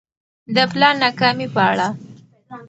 د پلان ناکامي په اړه